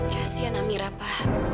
kasian amira pa